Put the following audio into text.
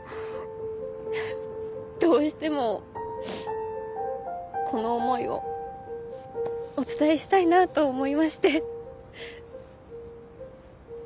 どうしてもこの思いをお伝えしたいなと思いまして。